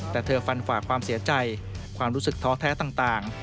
แต่เธอฟันฝากความเสียใจความรู้สึกท้อแท้ต่าง